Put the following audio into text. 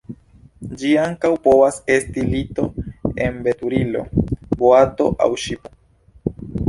Ĝi ankaŭ povas esti lito en veturilo, boato aŭ ŝipo.